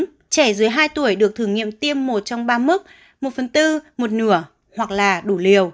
nhưng trẻ dưới hai tuổi được thử nghiệm tiêm một trong ba mức một phần tư một nửa hoặc là đủ liều